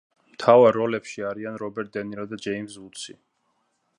მთავარ როლებში არიან რობერტ დე ნირო და ჯეიმზ ვუდსი.